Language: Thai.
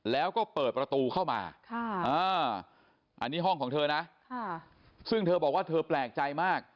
แล้วก็เปิดประตูเข้ามาอันนี้ห้องของเธอนะซึ่งเธอบอกว่าเธอแปลกใจมาก